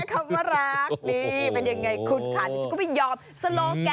คือทีด้วย